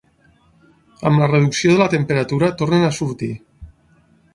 Amb la reducció de la temperatura tornen a sortir.